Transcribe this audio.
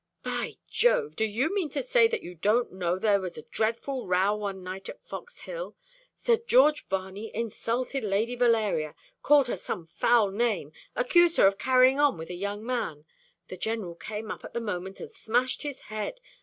"By Jove! Do you mean to say that you don't know there was a dreadful row one night at Fox Hill? Sir George Varney insulted Lady Valeria called her some foul name, accused her of carrying on with a young man. The General came up at the moment and smashed his head.